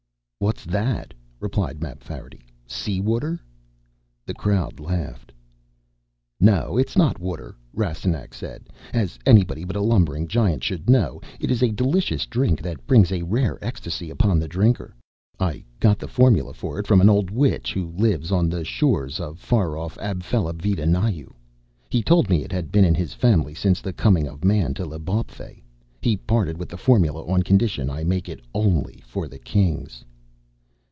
"What's that?" replied Mapfarity. "Sea water?" The crowd laughed. "No, it's not water," Rastignac said, "as anybody but a lumbering Giant should know. It is a delicious drink that brings a rare ecstacy upon the drinker. I got the formula for it from an old witch who lives on the shores of far off Apfelabvidanahyew. He told me it had been in his family since the coming of Man to L'Bawpfey. He parted with the formula on condition I make it only for the Kings."